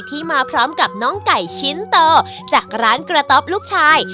มาพร้อมกับน้องไก่ชิ้นโตจากร้านกระต๊อบลูกชาย